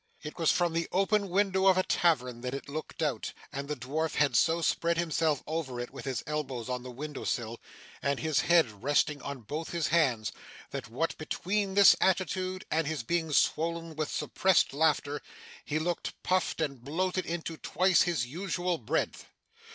It was from the open window of a tavern that it looked out; and the dwarf had so spread himself over it, with his elbows on the window sill and his head resting on both his hands, that what between this attitude and his being swoln with suppressed laughter, he looked puffed and bloated into twice his usual breadth.